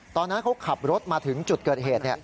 ตอนนั้นเขาขับรถมาถึงจุดเกิดเหตุ